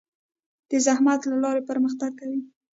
د زحمت له لارې پرمختګ کوي.